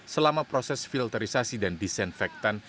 selama proses filterisasi dan disinfektan